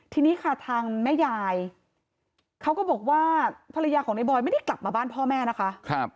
ทีนี้ค่ะทางแม่ยายเขาก็บอกว่าภรรยาของในบอยไม่ได้กลับมาบ้านพ่อแม่นะคะ